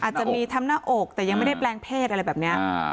จะมีทำหน้าอกแต่ยังไม่ได้แปลงเพศอะไรแบบนี้